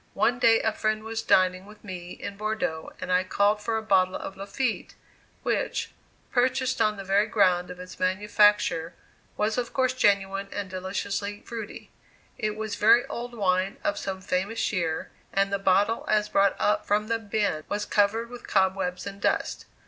One day a friend was dining with me in Bordeaux and I called for a bottle of "Lafitte," which, purchased on the very ground of its manufacture, was of course genuine and deliciously "fruity." It was very old wine of some famous year, and the bottle as brought up from the bin was covered with cobwebs and dust.